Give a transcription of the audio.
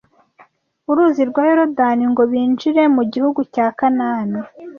Uruzi rwa Yorodani ngo binjire mu gihugu cya Kanani